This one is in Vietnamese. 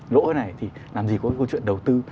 lỗ thế này thì làm gì có câu chuyện đầu tư